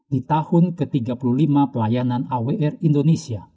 di tahun ke tiga puluh lima pelayanan awr indonesia